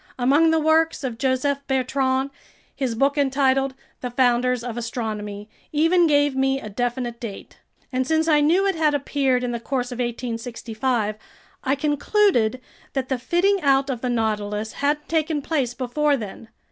Among the works of Joseph Bertrand, his book entitled The Founders of Astronomy even gave me a definite date; and since I knew it had appeared in the course of 1865, I concluded that the fitting out of the Nautilus hadn't taken place before then.